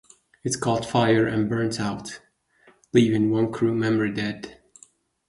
It caught fire and burned out, leaving one crew member dead.